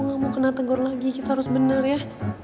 gue gak mau kena tegor lagi kita harus bener ya